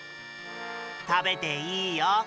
たべていいよ。